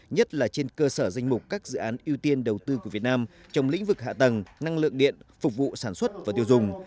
nhất là trên cơ sở danh mục các dự án ưu tiên đầu tư của việt nam trong lĩnh vực hạ tầng năng lượng điện phục vụ sản xuất và tiêu dùng